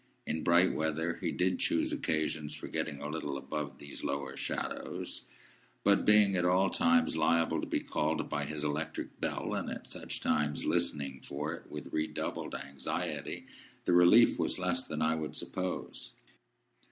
In bright weather, he did choose occasions for getting a little above these lower shadows; but, being at all times liable to be called by his electric bell, and at such times listening for it with redoubled anxiety, the relief was less than I would suppose.